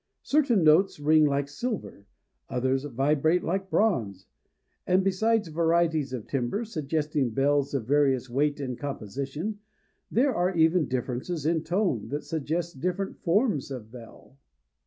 Certain notes ring like silver, others vibrate like bronze; and, besides varieties of timbre suggesting bells of various weight and composition, there are even differences in tone, that suggest different forms of bell.